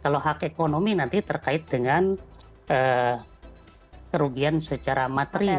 kalau hak ekonomi nanti terkait dengan kerugian secara materi